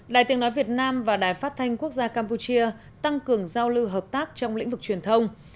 đài tiếng nói việt nam và đài phát thanh quốc gia campuchia tăng cường giao lưu hợp tác trong lĩnh vực truyền thông